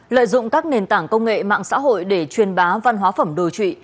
lợi dụng các nền tảng công nghệ mạng xã hội để truyền bá văn hóa phẩm đồi trụy